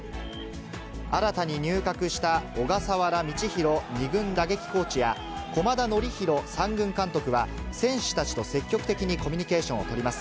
新たに入閣した小笠原道大２軍打撃コーチや、駒田徳広３軍監督は選手たちと積極的にコミュニケーションを取ります。